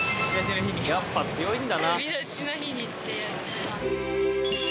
やっぱ強いんだな。